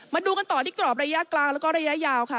มาดูกันต่อที่กรอบระยะกลางแล้วก็ระยะยาวค่ะ